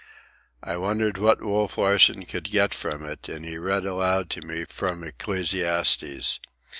I wondered what Wolf Larsen could get from it, and he read aloud to me from Ecclesiastes.